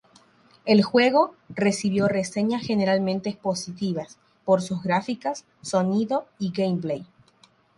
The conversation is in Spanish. El juego recibió reseñas generalmente positivas, por sus gráficas, sonido y gameplay.